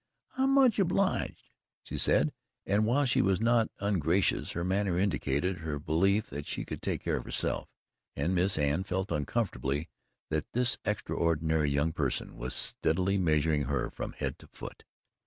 "I'm much obleeged," she said, and while she was not ungracious, her manner indicated her belief that she could take care of herself. And Miss Anne felt uncomfortably that this extraordinary young person was steadily measuring her from head to foot.